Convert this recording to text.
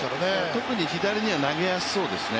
特に左には投げやすそうですね。